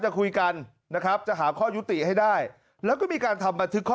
จะคุยกันนะครับจะหาข้อยุติให้ได้แล้วก็มีการทำบันทึกข้อ